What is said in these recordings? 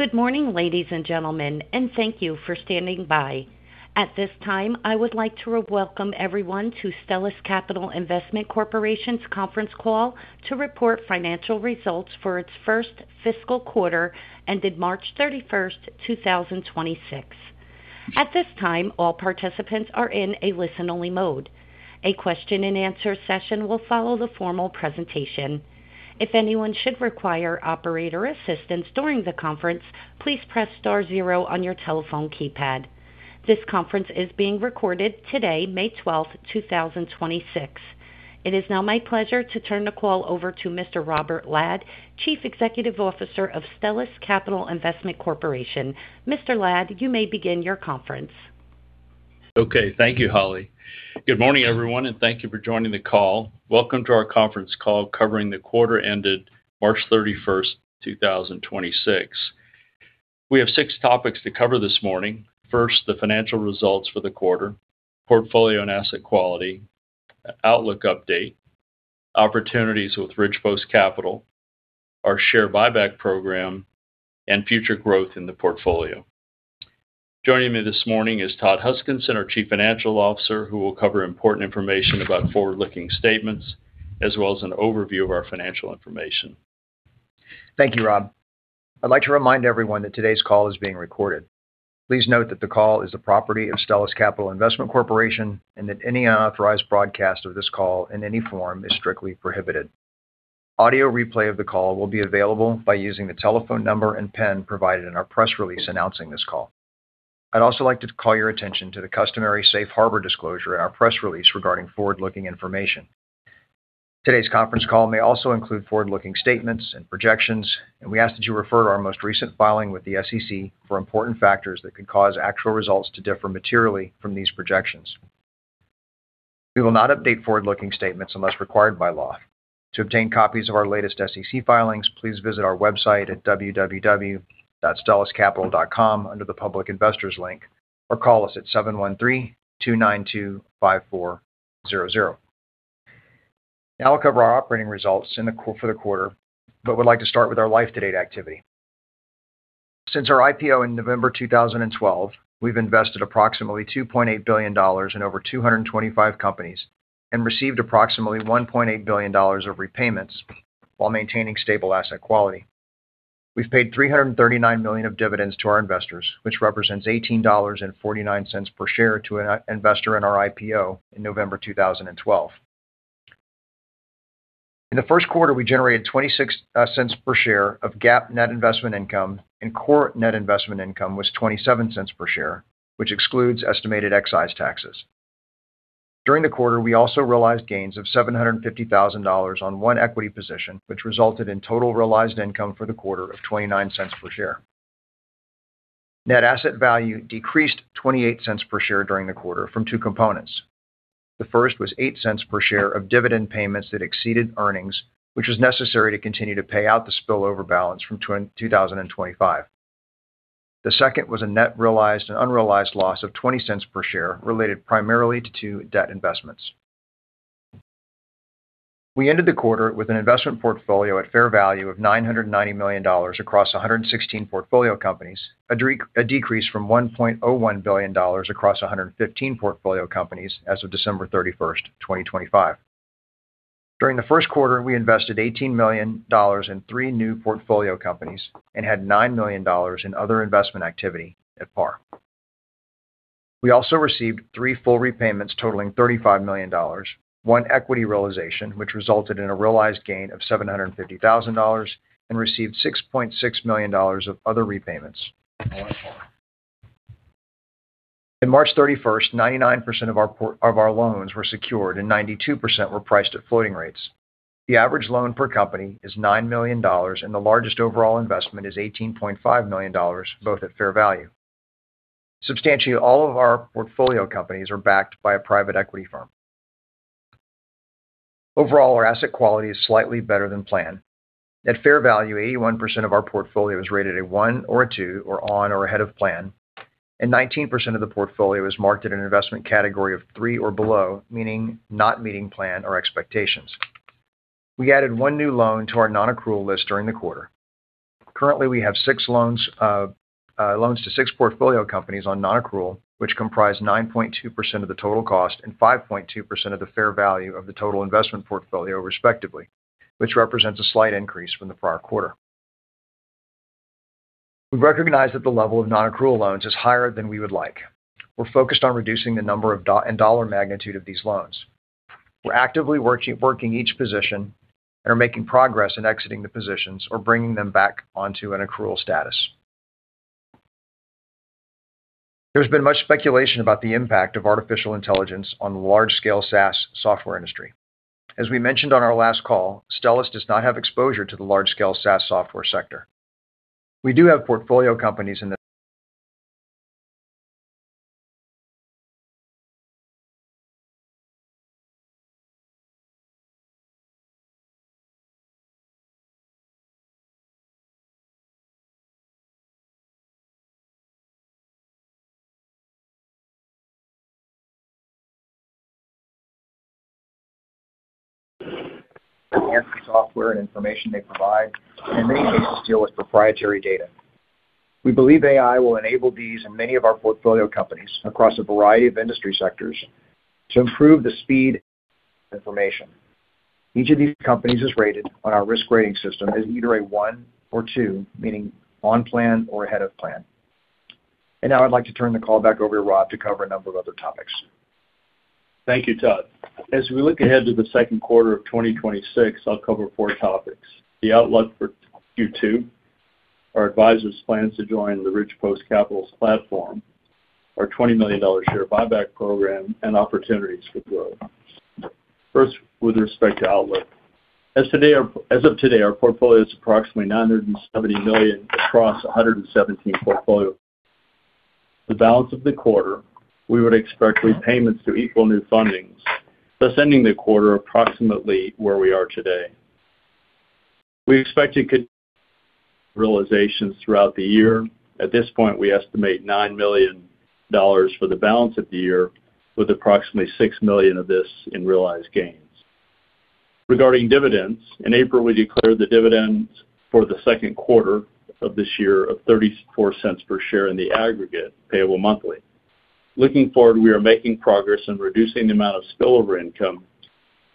Good morning, ladies and gentlemen, and thank you for standing by. At this time, I would like to welcome everyone to Stellus Capital Investment Corporation's Conference Call to report financial results for its first fiscal quarter ended March 31st, 2026. At this time, all participants are in a listen-only mode. A question and answer session will follow the formal presentation. If anyone should require operator assistance during the conference, please press star zero on your telephone keypad. This conference is being recorded today, May 12th, 2026. It is now my pleasure to turn the call over to Mr. Robert Ladd, Chief Executive Officer of Stellus Capital Investment Corporation. Mr. Ladd, you may begin your conference. Okay. Thank you Holly. Good morning, everyone, thank you for joining the call. Welcome to our conference call covering the quarter ended March 31st, 2026. We have six topics to cover this morning. First, the financial results for the quarter, portfolio and asset quality, outlook update, opportunities with Ridgepost Capital, our share buyback program, and future growth in the portfolio. Joining me this morning is Todd Huskinson, our Chief Financial Officer, who will cover important information about forward-looking statements as well as an overview of our financial information. Thank you Rob. I'd like to remind everyone that today's call is being recorded. Please note that the call is the property of Stellus Capital Investment Corporation, and that any unauthorized broadcast of this call in any form is strictly prohibited. Audio replay of the call will be available by using the telephone number and PIN provided in our press release announcing this call. I'd also like to call your attention to the customary safe harbor disclosure in our press release regarding forward-looking information. Today's conference call may also include forward-looking statements and projections, and we ask that you refer to our most recent filing with the SEC for important factors that could cause actual results to differ materially from these projections. We will not update forward-looking statements unless required by law. To obtain copies of our latest SEC filings, please visit our website at www.stelluscapital.com under the Public Investors link, or call us at 713-292-5400. I'll cover our operating results for the quarter, but would like to start with our life-to-date activity. Since our IPO in November 2012, we've invested approximately $2.8 billion in over 225 companies and received approximately $1.8 billion of repayments while maintaining stable asset quality. We've paid $339 million of dividends to our investors, which represents $18.49 per share to an investor in our IPO in November 2012. In the first quarter, we generated $0.26 per share of GAAP Net Investment Income, and core Net Investment Income was $0.27 per share, which excludes estimated excise taxes. During the quarter, we also realized gains of $750,000 on one equity position, which resulted in total realized income for the quarter of $0.29 per share. Net Asset Value decreased $0.28 per share during the quarter from two components. The first was $0.08 per share of dividend payments that exceeded earnings, which was necessary to continue to pay out the spillover balance from 2025. The second was a net realized and unrealized loss of $0.20 per share related primarily to two debt investments. We ended the quarter with an investment portfolio at fair value of $990 million across 116 portfolio companies, a decrease from $1.01 billion across 115 portfolio companies as of December 31st, 2025. During the first quarter, we invested $18 million in 3 new portfolio companies and had $9 million in other investment activity at par. We also received 3 full repayments totaling $35 million, 1 equity realization, which resulted in a realized gain of $750,000 and received $6.6 million of other repayments at par. In March 31st, 99% of our loans were secured and 92% were priced at floating rates. The average loan per company is $9 million, and the largest overall investment is $18.5 million, both at fair value. Substantially, all of our portfolio companies are backed by a private equity firm. Overall, our asset quality is slightly better than planned. At fair value, 81% of our portfolio is rated a 1 or a 2 or on or ahead of plan, and 19% of the portfolio is marked at an investment category of 3 or below, meaning not meeting plan or expectations. We added one new loan to our non-accrual list during the quarter. Currently, we have six loans to six portfolio companies on non-accrual, which comprise 9.2% of the total cost and 5.2% of the fair value of the total investment portfolio respectively, which represents a slight increase from the prior quarter. We recognize that the level of non-accrual loans is higher than we would like. We're focused on reducing the number and dollar magnitude of these loans. We're actively working each position and are making progress in exiting the positions or bringing them back onto an accrual status. There's been much speculation about the impact of artificial intelligence on the large-scale SaaS software industry. As we mentioned on our last call, Stellus does not have exposure to the large-scale SaaS software sector. We do have portfolio companies in the Enhance the software and information they provide, in many cases, deal with proprietary data. We believe AI will enable these and many of our portfolio companies across a variety of industry sectors to improve the speed information. Each of these companies is rated on our risk rating system as either a 1 or 2, meaning on plan or ahead of plan. Now I'd like to turn the call back over to Rob to cover a number of other topics. Thank you Todd. As we look ahead to the second quarter of 2026, I'll cover four topics: the outlook for Q2, our advisor's plans to join the Ridgepost Capital's platform, our $20 million share buyback program, and opportunities for growth. With respect to outlook. As of today, our portfolio is approximately $970 million across 117 portfolio. The balance of the quarter, we would expect repayments to equal new fundings, thus ending the quarter approximately where we are today. We expect to continue realizations throughout the year. At this point, we estimate $9 million for the balance of the year, with approximately $6 million of this in realized gains. Regarding dividends, in April, we declared the dividends for the second quarter of this year of $0.34 per share in the aggregate payable monthly. Looking forward, we are making progress in reducing the amount of spillover income,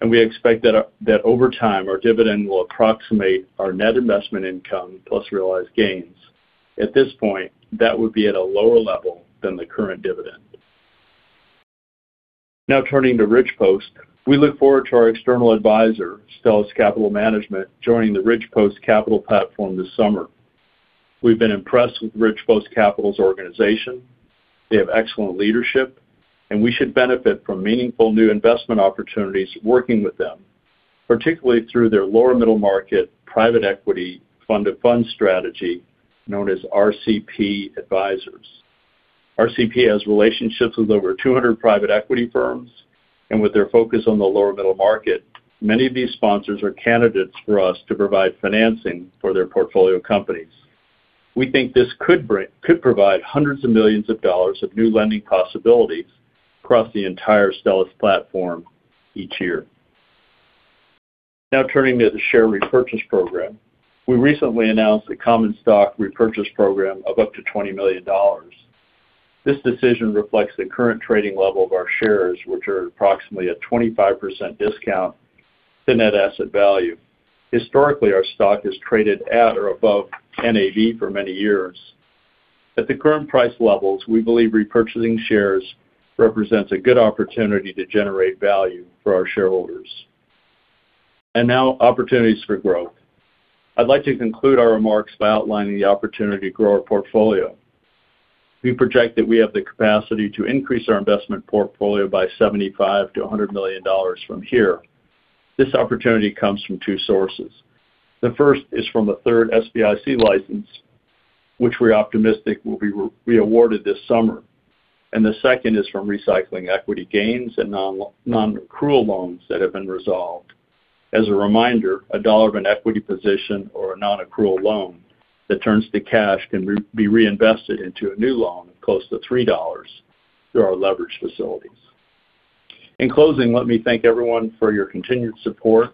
and we expect that over time, our dividend will approximate our net investment income plus realized gains. At this point, that would be at a lower level than the current dividend. Turning to Ridgepost. We look forward to our external advisor, Stellus Capital Management, joining the Ridgepost Capital platform this summer. We've been impressed with Ridgepost Capital's organization. They have excellent leadership, we should benefit from meaningful new investment opportunities working with them, particularly through their lower middle market private equity fund to fund strategy known as RCP Advisors. RCP has relationships with over 200 private equity firms, with their focus on the lower middle market, many of these sponsors are candidates for us to provide financing for their portfolio companies. We think this could provide hundreds of millions of dollars of new lending possibilities across the entire Stellus platform each year. Now, turning to the share repurchase program. We recently announced a common stock repurchase program of up to $20 million. This decision reflects the current trading level of our shares, which are approximately a 25% discount to net asset value. Historically, our stock has traded at or above NAV for many years. At the current price levels, we believe repurchasing shares represents a good opportunity to generate value for our shareholders. Now opportunities for growth. I'd like to conclude our remarks by outlining the opportunity to grow our portfolio. We project that we have the capacity to increase our investment portfolio by $75 million-$100 million from here. This opportunity comes from two sources. The first is from a third SBIC license, which we're optimistic will be re-awarded this summer. The second is from recycling equity gains and non-accrual loans that have been resolved. As a reminder, a dollar of an equity position or a non-accrual loan that turns to cash can be reinvested into a new loan close to three dollars through our leverage facilities. In closing, let me thank everyone for your continued support,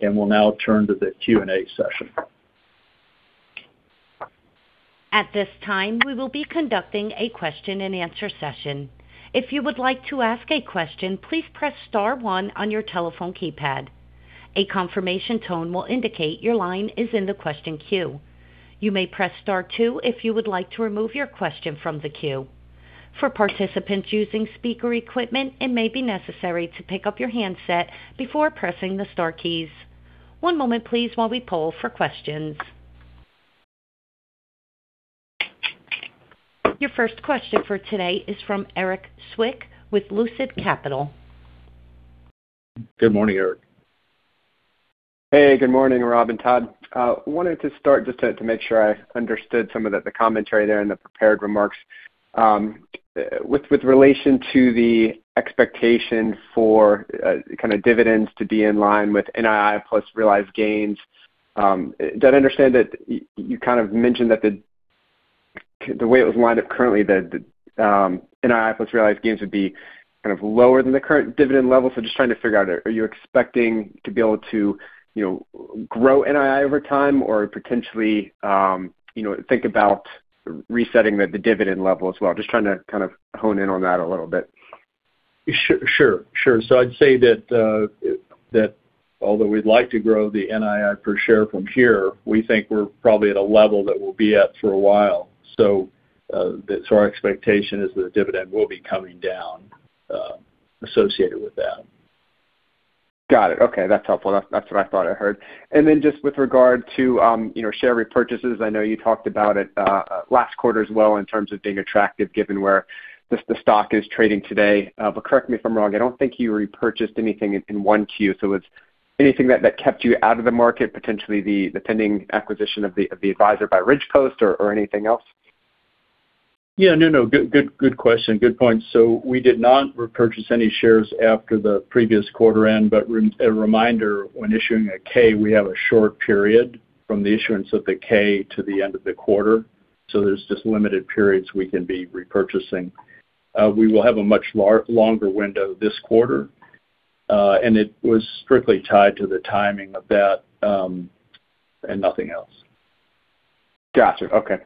and we'll now turn to the Q&A session. At this time, we will be conducting a question-and-answer session. If you would like to ask a question, please press star one on your telephone keypad. A confirmation tone will indicate your line is in the question queue. You may press star two if you would like to remove your question from the queue. For participants using speaker equipment, it may be necessary to pick up your handset before pressing the star keys. One moment please while we poll for questions. Your first question for today is from Erik Zwick with Lucid Capital. Good morning, Erik. Good morning, Rob and Todd. Wanted to start just to make sure I understood some of the commentary there in the prepared remarks. With relation to the expectation for kind of dividends to be in line with NII plus realized gains, did I understand that you kind of mentioned that the way it was lined up currently that NII plus realized gains would be kind of lower than the current dividend level. Just trying to figure out, are you expecting to be able to, you know, grow NII over time or potentially, you know, think about resetting the dividend level as well? Just trying to kind of hone in on that a little bit. Sure. I'd say that although we'd like to grow the NII per share from here, we think we're probably at a level that we'll be at for a while. Our expectation is that the dividend will be coming down associated with that. Got it. Okay. That's helpful. That's what I thought I heard. just with regard to, you know, share repurchases, I know you talked about it, last quarter as well in terms of being attractive given where the stock is trading today. correct me if I'm wrong, I don't think you repurchased anything in 1Q. was anything that kept you out of the market, potentially the pending acquisition of the advisor by RidgePost or anything else? Yeah, no. Good question. Good point. We did not repurchase any shares after the previous quarter end, but a reminder, when issuing a K, we have a short period from the issuance of the K to the end of the quarter. There's just limited periods we can be repurchasing. We will have a much longer window this quarter. It was strictly tied to the timing of that, and nothing else. Gotcha. Okay.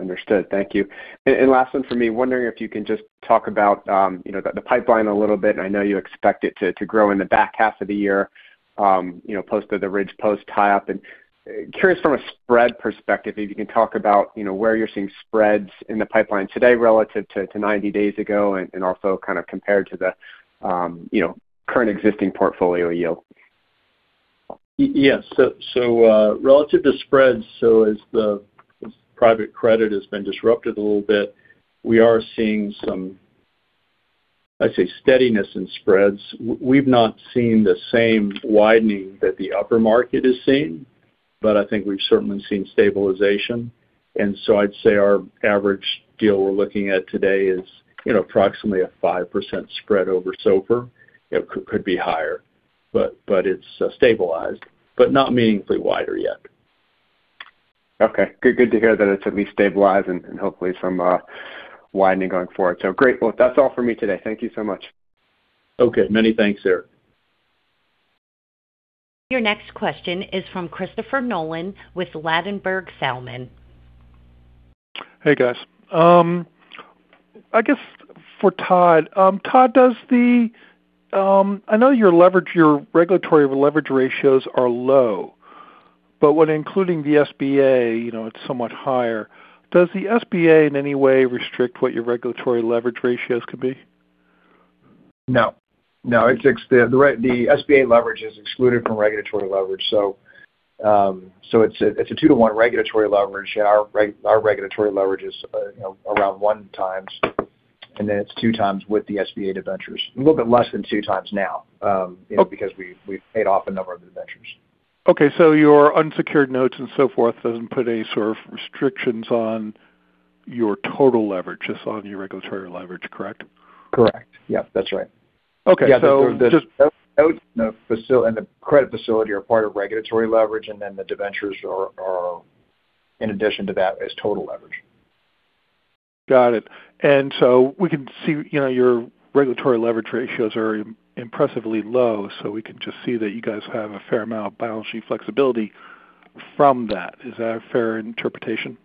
Understood. Thank you. Last one for me. Wondering if you can just talk about, you know, the pipeline a little bit. I know you expect it to grow in the back half of the year, you know, post to the Ridgepost tie-up. Curious from a spread perspective, if you can talk about, you know, where you're seeing spreads in the pipeline today relative to 90 days ago and also kind of compared to the, you know, current existing portfolio yield. Yes. Relative to spreads, as the private credit has been disrupted a little bit, we are seeing some, I'd say, steadiness in spreads. We've not seen the same widening that the upper market has seen, but I think we've certainly seen stabilization. I'd say our average deal we're looking at today is, you know, approximately a 5% spread over SOFR. You know, could be higher, but it's stabilized, but not meaningfully wider yet. Okay. Good, good to hear that it's at least stabilized and hopefully some widening going forward. Great. Well, that's all for me today. Thank you so much. Okay. Many thanks, Erik. Your next question is from Christopher Nolan with Ladenburg Thalmann. Hey, guys. I guess for Todd. Todd, I know your leverage, your regulatory leverage ratios are low, but when including the SBA, you know, it's somewhat higher. Does the SBA in any way restrict what your regulatory leverage ratios could be? No. No. The SBA leverage is excluded from regulatory leverage. It's a two to one regulatory leverage. Our regulatory leverage is, you know, around 1x, and then it's 2x with the SBA debentures. A little bit less than 2x now, you know, because we've paid off a number of debentures. Okay. your unsecured notes and so forth doesn't put any sort of restrictions on your total leverage, just on your regulatory leverage, correct? Correct. Yep, that's right. Okay. Yeah. The notes and the credit facility are part of regulatory leverage, and then the debentures are in addition to that as total leverage. Got it. We can see, you know, your regulatory leverage ratios are impressively low, so we can just see that you guys have a fair amount of balance sheet flexibility from that. Is that a fair interpretation?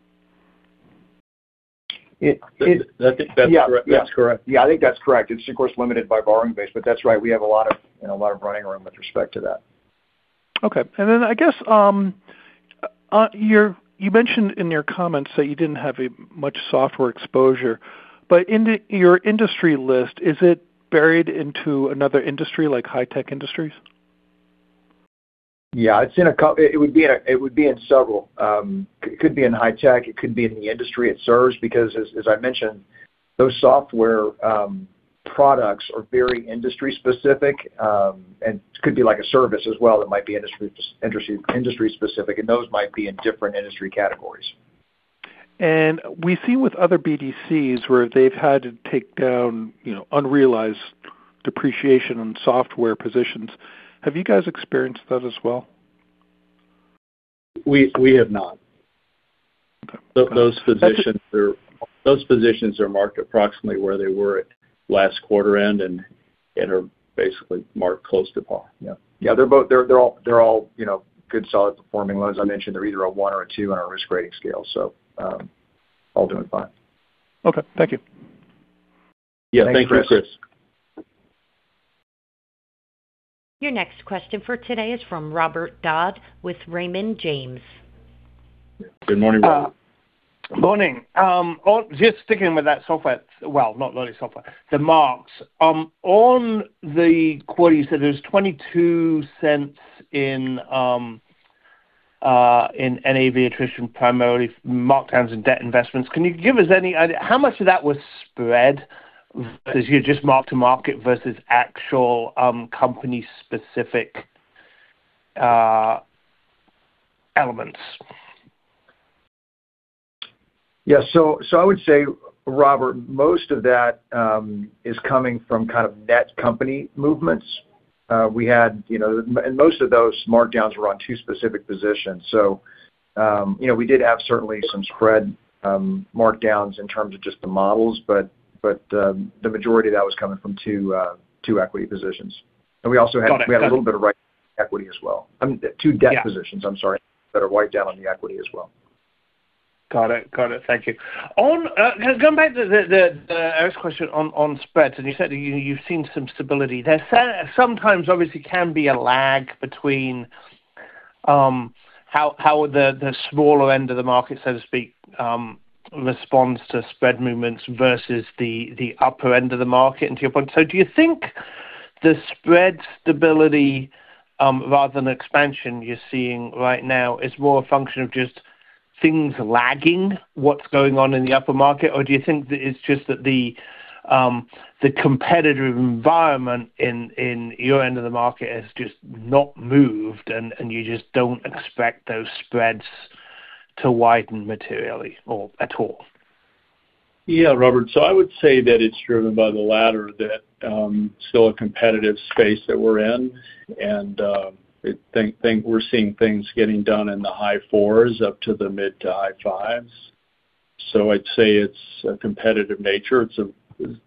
It, it. I think that's correct. Yeah. Yeah. That's correct. Yeah, I think that's correct. It's of course limited by borrowing base, but that's right. We have a lot of, you know, a lot of running room with respect to that. Okay. I guess, you mentioned in your comments that you didn't have a much software exposure, but your industry list, is it buried into another industry like high-tech industries? Yeah. It would be in several. It could be in high-tech, it could be in the industry it serves, because as I mentioned, those software products are very industry specific, and could be like a service as well that might be industry specific, and those might be in different industry categories. We see with other BDCs where they've had to take down, you know, unrealized depreciation on software positions. Have you guys experienced that as well? We have not. Those positions are marked approximately where they were at last quarter end and are basically marked close to par. Yeah. Yeah. They're all, you know, good, solid performing loans. I mentioned they're either a 1 or a 2 on our risk rating scale, so all doing fine. Okay. Thank you. Yeah. Thank you, Chris. Thanks, Chris. Your next question for today is from Robert Dodd with Raymond James. Good morning, Robert. Morning. Just sticking with that software, well, not really software, the marks. On the qualities that there's $0.22 in NAV attrition, primarily markdowns in debt investments, can you give us any idea how much of that was spread as you just marked to market versus actual company specific elements? Yeah. I would say, Robert, most of that is coming from kind of debt company movements. We had, you know and most of those markdowns were on two specific positions. You know, we did have certainly some spread markdowns in terms of just the models, but the majority of that was coming from two equity positions. We also had. Got it. Got it. We had a little bit of right equity as well. I mean, two debt positions. Yeah I'm sorry, that are wiped down on the equity as well. Got it. Got it. Thank you. On going back to the Erik's question on spreads, and you said that you've seen some stability. There sometimes obviously can be a lag between how the smaller end of the market, so to speak, responds to spread movements versus the upper end of the market, and to your point. Do you think the spread stability, rather than expansion you're seeing right now is more a function of just things lagging what's going on in the upper market? Do you think that it's just that the competitive environment in your end of the market has just not moved and you just don't expect those spreads to widen materially or at all? Yeah, Robert. I would say that it's driven by the latter, that still a competitive space that we're in. I think we're seeing things getting done in the high fours up to the mid to high fives. I'd say it's a competitive nature.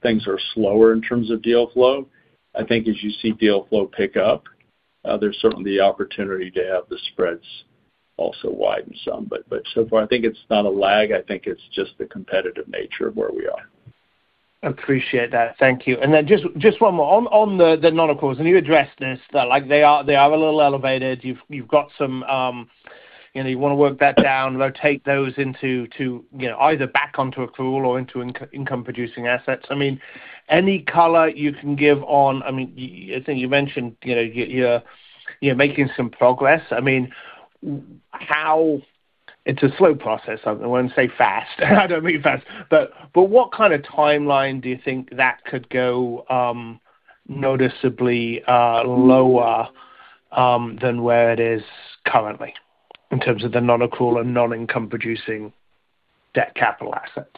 Things are slower in terms of deal flow. I think as you see deal flow pick up, there's certainly the opportunity to have the spreads also widen some. So far, I think it's not a lag. I think it's just the competitive nature of where we are. Appreciate that. Thank you. Just one more. On the non-accruals, and you addressed this, that like they are a little elevated. You've got some, you know, you wanna work that down, rotate those into to, you know, either back onto accrual or into income-producing assets. I mean, any color you can give on. I mean, I think you mentioned, you know, you're making some progress. I mean, how? It's a slow process. I wouldn't say fast. I don't mean fast. What kind of timeline do you think that could go noticeably lower than where it is currently in terms of the non-accrual and non-income-producing debt capital assets?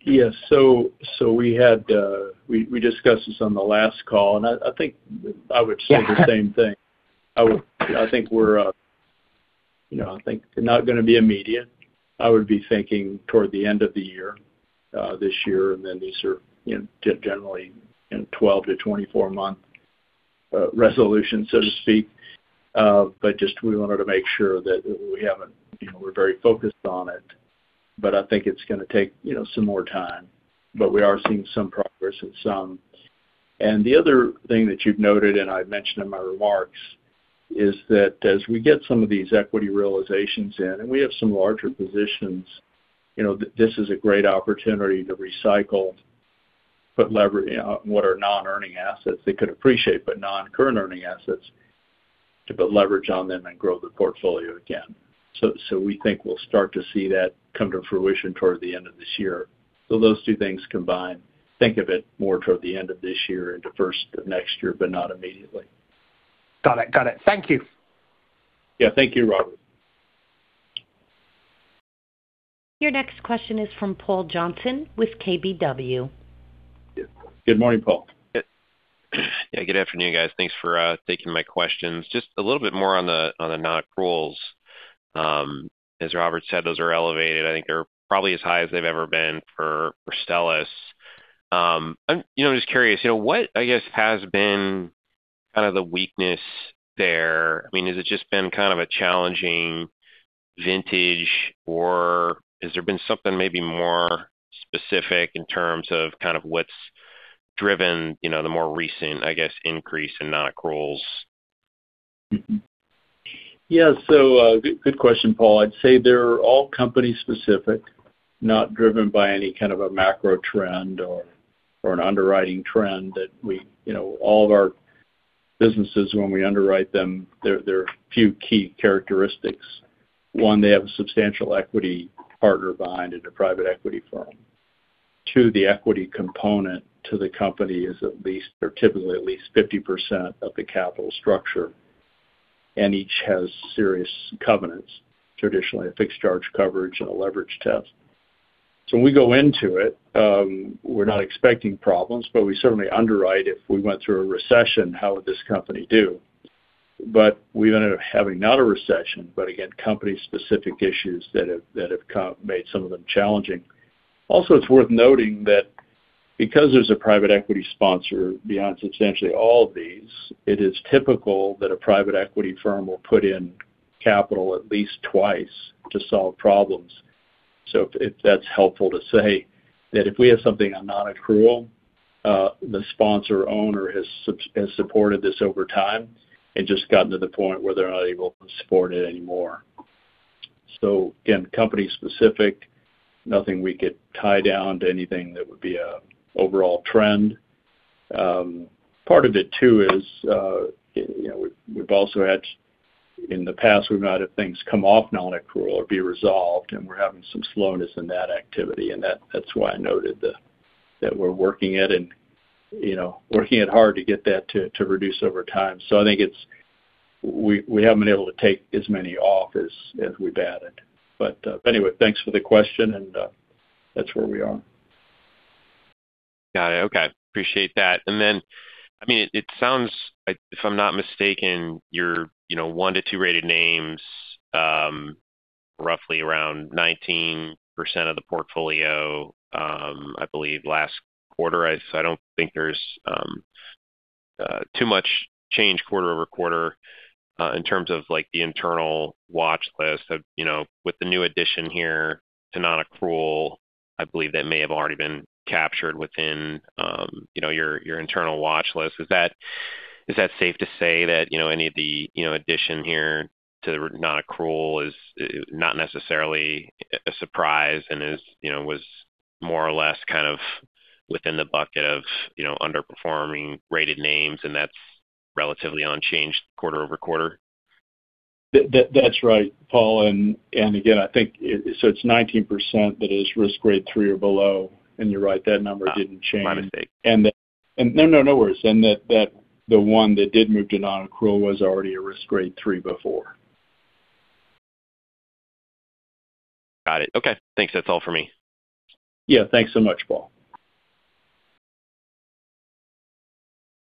Yes. We discussed this on the last call, and I think I would say the same thing. Yeah. I think we're, you know, I think not gonna be immediate. I would be thinking toward the end of the year, this year, and then these are, you know, generally in 12 to 24 month resolution, so to speak. Just we wanted to make sure that we haven't, you know, we're very focused on it, but I think it's gonna take, you know, some more time. We are seeing some progress in some. The other thing that you've noted, and I mentioned in my remarks, is that as we get some of these equity realizations in, and we have some larger positions, you know, this is a great opportunity to recycle, put what are non-earning assets. They could appreciate, but non-current earning assets, to put leverage on them and grow the portfolio again. We think we'll start to see that come to fruition toward the end of this year. Those two things combined, think of it more toward the end of this year into first of next year, but not immediately. Got it. Got it. Thank you. Yeah. Thank you Robert. Your next question is from Paul Johnson with KBW. Good morning, Paul. Yeah. Good afternoon, guys. Thanks for taking my questions. Just a little bit more on the non-accruals. As Robert said, those are elevated. I think they're probably as high as they've ever been for Stellus. I'm, you know, just curious, you know, what I guess has been kind of the weakness there? I mean, has it just been kind of a challenging vintage, or has there been something maybe more specific in terms of kind of what's driven, you know, the more recent, I guess, increase in non-accruals? Yeah. Good question, Paul. I'd say they're all company specific, not driven by any kind of a macro trend or an underwriting trend. You know, all of our businesses when we underwrite them, there are few key characteristics. One, they have a substantial equity partner behind it, a private equity firm. Two, the equity component to the company is at least or typically at least 50% of the capital structure, and each has serious covenants, traditionally a fixed charge coverage and a leverage test. When we go into it, we're not expecting problems, but we certainly underwrite, if we went through a recession, how would this company do? We ended up having not a recession, but again, company-specific issues that have made some of them challenging. Also, it's worth noting that because there's a private equity sponsor beyond substantially all of these, it is typical that a private equity firm will put in capital at least twice to solve problems. If that's helpful to say that if we have something on non-accrual, the sponsor owner has supported this over time and just gotten to the point where they're not able to support it anymore. Again, company specific, nothing we could tie down to anything that would be a overall trend. Part of it, too is, you know, we've also had in the past, we've not had things come off non-accrual or be resolved, and we're having some slowness in that activity, and that's why I noted that we're working it and, you know, working it hard to get that to reduce over time. I think it's. We haven't been able to take as many off as we've added. Anyway, thanks for the question, and that's where we are. Got it. Okay. Appreciate that. I mean, it sounds like, if I'm not mistaken, your, you know, 1-2 rated names, roughly around 19% of the portfolio, I believe last quarter. I don't think there's too much change quarter-over-quarter in terms of, like, the internal watch list of, you know, with the new addition here to non-accrual, I believe that may have already been captured within, you know, your internal watch list. Is that safe to say that, you know, any of the, you know, addition here to non-accrual is not necessarily a surprise and is, you know, was more or less kind of within the bucket of, you know, underperforming rated names, and that's relatively unchanged quarter-over-quarter? That's right, Paul. It's 19% that is risk grade three or below, and you're right, that number didn't change. My mistake. No, no worries. That the one that did move to non-accrual was already a risk grade three before. Got it. Okay. Thanks. That's all for me. Yeah. Thanks so much, Paul.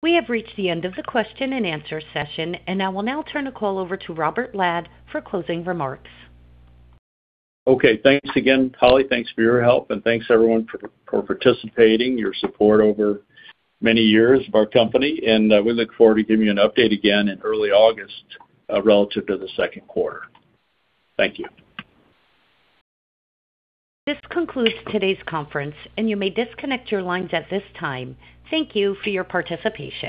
We have reached the end of the question and answer session. I will now turn the call over to Robert Ladd for closing remarks. Okay. Thanks again Holly. Thanks for your help, and thanks everyone for participating, your support over many years of our company. We look forward to giving you an update again in early August, relative to the second quarter. Thank you. This concludes today's conference, and you may disconnect your lines at this time. Thank you for your participation.